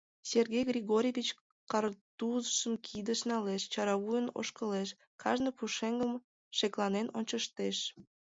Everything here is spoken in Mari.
Сергей Григорьевич картузшым кидыш налеш, чаравуйын ошкылеш, кажне пушеҥгым шекланен ончыштеш.